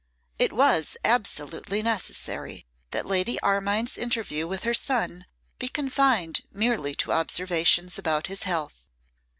IT WAS absolutely necessary that Lady Armine's interview with her son be confined merely to observations about his health.